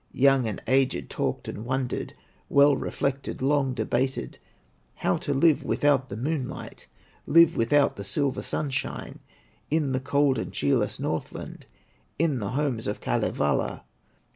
Young and aged talked and wondered, Well reflected, long debated, How to live without the moonlight, Live without the silver sunshine, In the cold and cheerless Northland, In the homes of Kalevala.